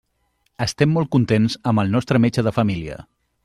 Estem molt contents amb el nostre metge de família.